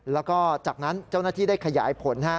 แล้วก็จากนั้นเจ้าหน้าที่ได้ขยายผล